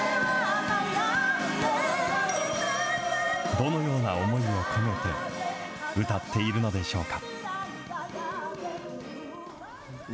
どのような思いを込めて歌っているのでしょうか。